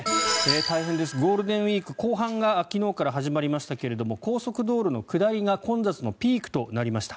大変ですゴールデンウィーク後半が昨日から始まりましたが高速道路の下りが混雑のピークとなりました。